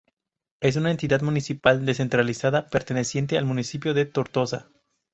Es una entidad municipal descentralizada perteneciente al municipio de Tortosa.